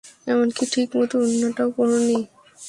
এমনকি ঠিক মতো উড়না টাও পর নি।